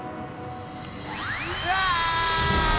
うわ！